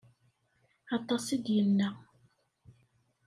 Aṭas i d-yenna.